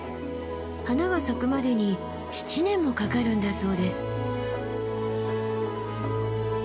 花が咲くまでに７年もかかるんだそうです。